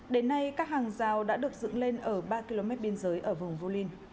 đến nay các hàng rào đã được dựng lên ở ba km biên giới ở vùng volin